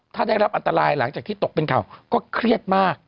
การพาตลายหลังจากที่ตกเป็นเข่าก็เครียดมาก